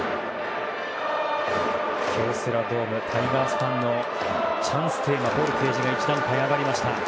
京セラドームタイガースファンのチャンステーマボルテージが１段階上がりました。